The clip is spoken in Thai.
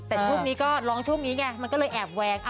แต่ช่วงนี้ก็ร้องช่วงนี้ไงมันก็เลยแอบแวง